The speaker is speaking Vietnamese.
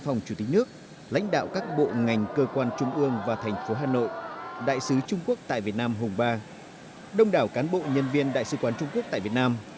phố hà nội đại sứ trung quốc tại việt nam hùng ba đông đảo cán bộ nhân viên đại sứ quán trung quốc tại việt nam